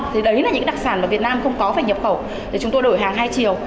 thì đấy là những đặc sản mà việt nam không có phải nhập khẩu để chúng tôi đổi hàng hai triệu